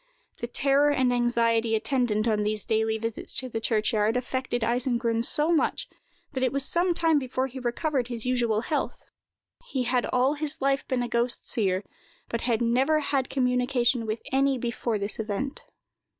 The terror and anxiety attendant on these daily visits to the churchyard, affected Eisengrun so much, that it was some time before he recovered his usual health. He had all his life been a ghost seer, but had never had communication with any before this event.